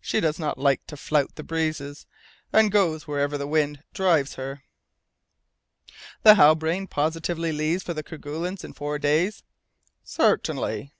she does not like to flout the breezes, and goes wherever the wind drives her." "The Halbrane positively leaves the Kerguelens in four days?" "Certainly."